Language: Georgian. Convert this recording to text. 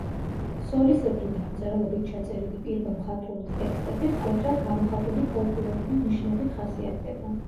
სოლისებრი დამწერლობით ჩაწერილი პირველ მხატვრული ტექსტები მკვეთრად გამოხატული ფოლკლორული ნიშნებით ხასიათდება.